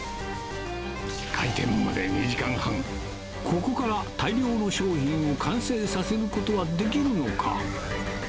開店まで２時間半、ここから大量の商品を完成させることはできるのか。